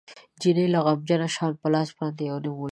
جینۍ غمجنه شان په لاس باندې یو نوم ولیکه